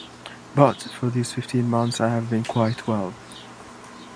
But for these fifteen months I have been quite well.